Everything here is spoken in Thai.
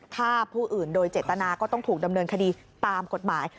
ฆ่าผู้อื่นโดยเจตนาก็ต้องถูกดำเนินคดีตามกฎหมาย